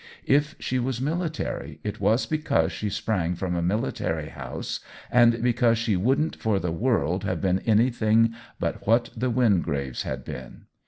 If she was military, it was because she sprang from a military house and because she wouldn^t for the world have been any thing but what the Wingraves had been.